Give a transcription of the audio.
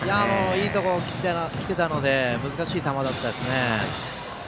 いいところに来ていたので難しい球でしたね。